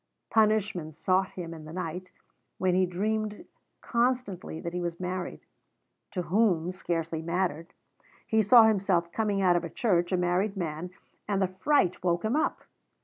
Punishment sought him in the night, when he dreamed constantly that he was married to whom scarcely mattered; he saw himself coming out of a church a married man, and the fright woke him up.